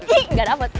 ih gak dapet